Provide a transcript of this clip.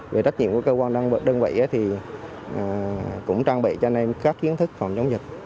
về trách nhiệm của cơ quan đơn vị thì cũng trang bị cho anh em các kiến thức phòng chống dịch